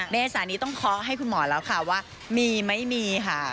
เมษานี้ต้องเคาะให้คุณหมอแล้วค่ะว่ามีไม่มีค่ะ